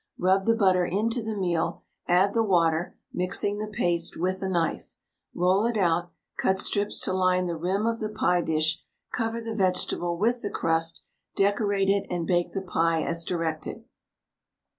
Rub the butter into the meal, add the water, mixing the paste with a knife. Roll it out, cut strips to line the rim of the pie dish, cover the vegetable with the crust, decorate it, and bake the pie as directed.